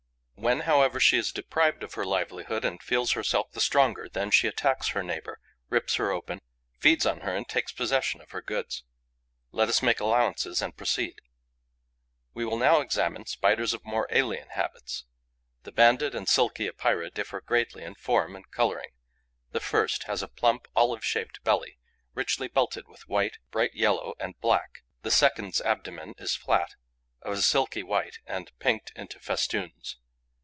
When, however, she is deprived of her livelihood and feels herself the stronger, then she attacks her neighbour, rips her open, feeds on her and takes possession of her goods. Let us make allowances and proceed. We will now examine Spiders of more alien habits. The Banded and the Silky Epeira differ greatly in form and colouring. The first has a plump, olive shaped belly, richly belted with white, bright yellow and black; the second's abdomen is flat, of a silky white and pinked into festoons.